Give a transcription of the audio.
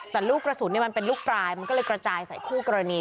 แต่ลูกกระสุนมันเป็นลูกปลายมันก็เลยกระจายใส่คู่กรณี